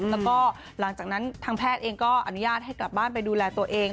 แล้วก็หลังจากนั้นทางแพทย์เองก็อนุญาตให้กลับบ้านไปดูแลตัวเอง